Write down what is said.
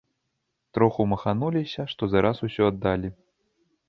Троху махануліся, што за раз усё аддалі.